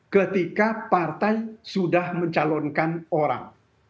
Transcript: ketika partai sudah mencalonkan orang